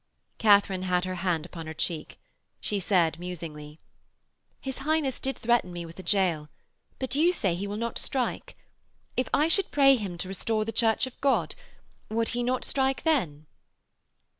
Katharine had her hand upon her cheek. She said musingly: 'His Highness did threaten me with a gaol. But you say he will not strike. If I should pray him to restore the Church of God, would he not strike then?'